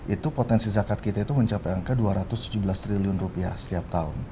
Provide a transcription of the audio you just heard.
itu potensi zakat kita itu mencapai angka dua ratus tujuh belas triliun rupiah setiap tahun